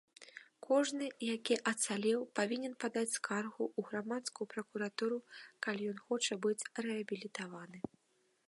Кожны які ацалеў павінен падаць скаргу ў грамадскую пракуратуру, калі ён хоча быць рэабілітаваны.